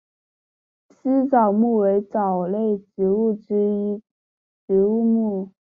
丝藻目为藻类植物之一植物目。